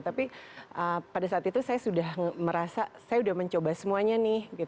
tapi pada saat itu saya sudah merasa saya sudah mencoba semuanya nih